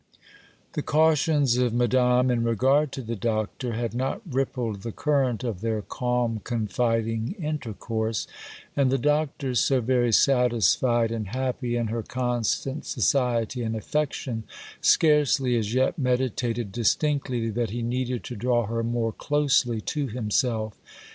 The cautions of Madame, in regard to the Doctor, had not rippled the current of their calm, confiding intercourse; and the Doctor, so very satisfied and happy in her constant society and affection, scarcely as yet meditated distinctly that he needed to draw her more closely to himself.